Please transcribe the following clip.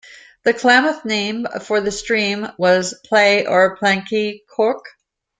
The Klamath name for the stream was "Plai" or "Plaikni Koke".